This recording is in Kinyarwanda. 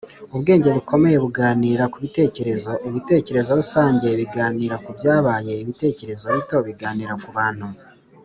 "ubwenge bukomeye buganira ku bitekerezo; ibitekerezo rusange biganira ku byabaye; ibitekerezo bito biganira ku bantu."